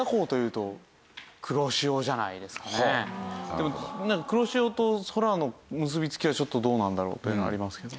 でも黒潮と空の結びつきはちょっとどうなんだろう？というのはありますけど。